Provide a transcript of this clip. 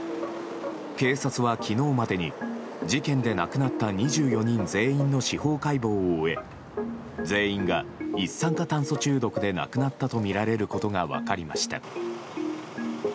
警察は昨日までに事件で亡くなった２４人全員の司法解剖を終え全員が一酸化炭素中毒で亡くなったとみられることが分かりました。